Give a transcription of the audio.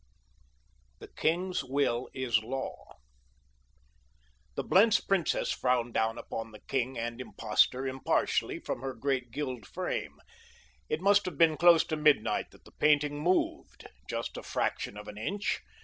"THE KING'S WILL IS LAW" The Blentz princess frowned down upon the king and impostor impartially from her great gilt frame. It must have been close to midnight that the painting moved—just a fraction of an inch.